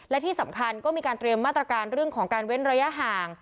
และที่สำคัญก็มีการเตรียมมาตรการเรื่องของการเว้นระยะห่าง